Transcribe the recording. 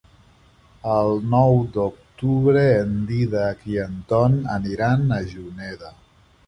El nou d'octubre en Dídac i en Ton aniran a Juneda.